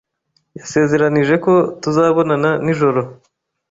Yasezeranije ko tuzabonana nijoro.